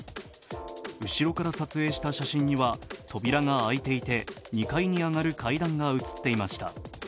後ろから撮影した写真には扉が開いていて２階に上がる階段が写っていました。